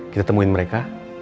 kita temuin mereka